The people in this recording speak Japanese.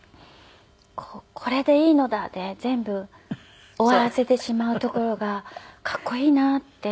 「これでいいのだ」で全部終わらせてしまうところがかっこいいなって。